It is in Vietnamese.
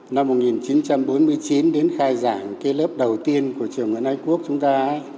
năm một nghìn chín trăm bốn mươi chín đến khai giảng cái lớp đầu tiên của trường nguyễn ái quốc chúng ta